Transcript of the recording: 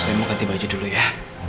saya mau ganti baju dulu ya